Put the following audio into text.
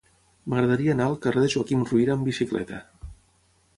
M'agradaria anar al carrer de Joaquim Ruyra amb bicicleta.